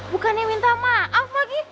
bukannya minta maaf lagi